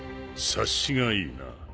察しがいいな。